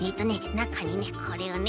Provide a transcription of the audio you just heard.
なかにこれをね